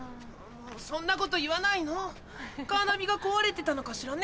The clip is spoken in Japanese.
そんなこと言わないのカーナビが壊れてたのかしらね。